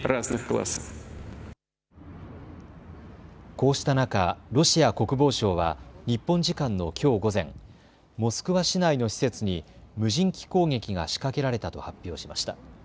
こうした中、ロシア国防省は日本時間のきょう午前、モスクワ市内の施設に無人機攻撃が仕掛けられたと発表しました。